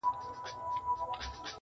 بلکي د حافظې په ژورو کي نور هم خښېږي,